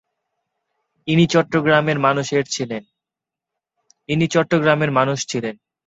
ইনি চট্টগ্রামের মানুষ ছিলেন।